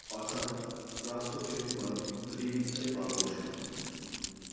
অর্থাৎ প্রাপ্ত ব্যক্তিগণ ত্রিবিদ্যায় পারদর্শী হন।